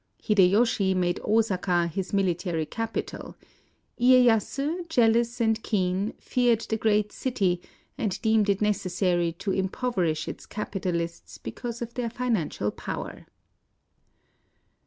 Hideyoshi made Osaka his military capital ;— lyeyasu, jealous and keen, feared the great city, and deemed it necessary to impoverish its capital ists because of their financial power.